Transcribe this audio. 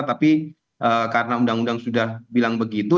tapi karena undang undang sudah bilang begitu